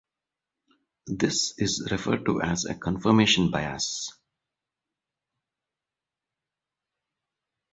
This is referred to as a confirmation bias.